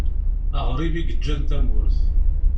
Aɣrib i yeǧǧan tamurt.